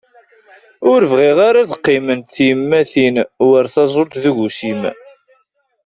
Ur bɣiɣ ara ad qqiment tyemmatin war taẓult d ugusim.